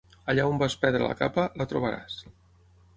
Allà on vas perdre la capa, la trobaràs.